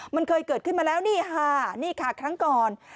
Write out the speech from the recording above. มันเคยเกิดขึ้นมาแล้วนี่ค่ะนี่ค่ะครั้งก่อน